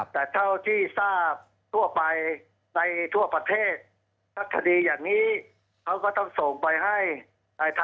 แต่เท่าที่ทราบทั่วไปในทั่วประเภท